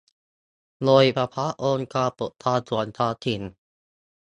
โดยเฉพาะองค์กรปกครองส่วนท้องถิ่น